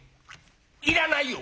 「いらないよ！」。